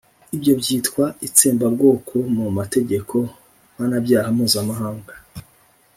ibyo byitwa itsembabwoko mu mategeko mpanabyaha mpuzamahanga.